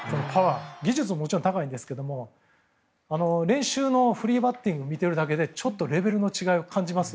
技術ももちろん高いんですけど練習のフリーバッティングを見ているだけでレベルの違いを感じます。